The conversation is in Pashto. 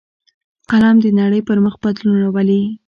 قلم د نړۍ پر مخ بدلون راولي